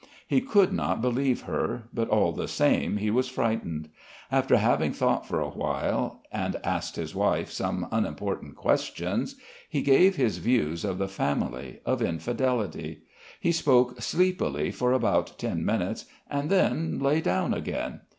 He could not believe her, but all the same he was frightened. After having thought for a while, and asked his wife some unimportant questions, he gave his views of the family, of infidelity.... He spoke sleepily for about ten minutes and then lay down again.